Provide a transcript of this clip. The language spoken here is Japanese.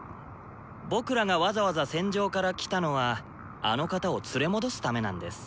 僕らがわざわざ戦場から来たのはあの方を連れ戻すためなんです。